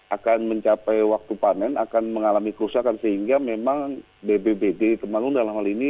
akan mencapai waktu panen akan mengalami kerusakan sehingga memang bbbd temanggung dalam hal ini